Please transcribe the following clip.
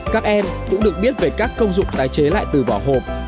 các em cũng được biết về các công dụng tái chế lại từ vỏ hộp